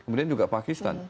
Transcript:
kemudian juga pakistan